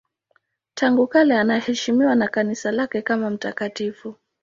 Tangu kale anaheshimiwa na Kanisa lake kama mtakatifu.